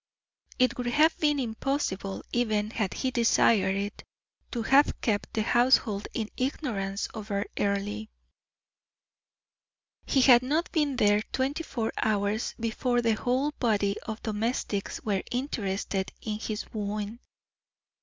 It would have been impossible, even had he desired it, to have kept the household in ignorance over Earle. He had not been there twenty four hours before the whole body of domestics were interested in his wooing.